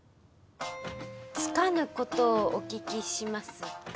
つかぬことをお聞きしますが。